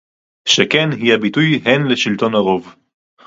שכן היא הביטוי הן לשלטון הרוב